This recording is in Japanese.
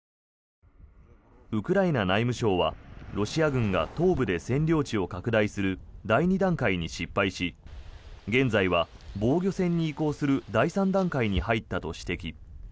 ウクライナ内務省は、ロシア軍が東部で占領地を拡大する第２段階に失敗し現在は防御戦に移行する第３段階に入ったと指摘。